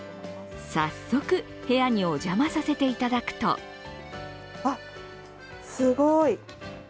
早速、部屋にお邪魔させていただくとわっ、すごい。